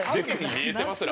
見えてますよ